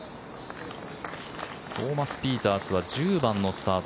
トーマス・ピータースは１０番のスタート。